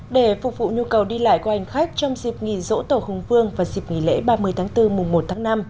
để phục vụ nhu cầu đi lại của hành khách trong dịp nghỉ dỗ tổ hùng vương và dịp nghỉ lễ ba mươi tháng bốn mùa một tháng năm